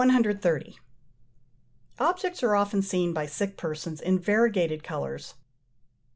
Objects are often seen by sick persons in variegated colours.